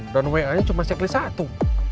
dan wa nya cuma checklist satu